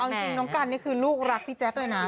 เอาจริงน้องกันนี่คือลูกรักพี่แจ๊คเลยนะ